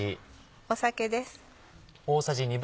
酒です。